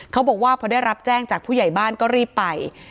เขาบอกว่าพอได้รับแจ้งจากผู้ใหญ่บ้านก็รีบไป